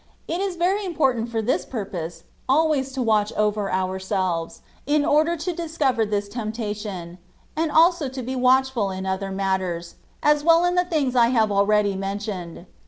It is very important for this purpose always to watch over ourselves, in order to dis cover this temptation, and also to be watchful in other matters, as well in the things I have already mentioned.